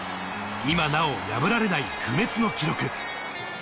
今なお破られない、不滅の記録。